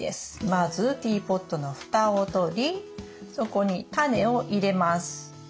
まずティーポットの蓋を取りそこにタネを入れます。